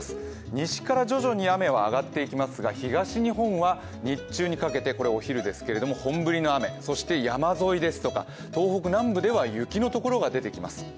西から徐々に雨は上がっていきますが東日本は日中にかけて、これはお昼ですけれども本降りの雨、そして山沿いですとか東北南部では雪のところが出てきます。